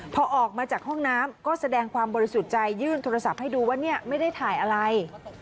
พอออกมาจากห้องน้ำก็แสดงความบริสุทธิ์ใจยื่นโทรศัพท์ให้ดูว่าเนี่ยไม่ได้ถ่ายอะไร